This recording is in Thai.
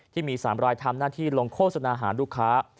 ที่มี๓รายทำหน้าที่ลงโฆษณาหาลูกค้า